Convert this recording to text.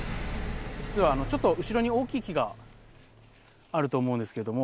実はちょっと後ろに大きい木があると思うんですけれども。